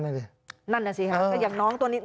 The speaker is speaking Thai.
นั่นแหละสิครับอย่างน้องตัวนี้